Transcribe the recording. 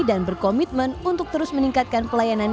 dan berkomitmen untuk terus meningkatkan pelayanan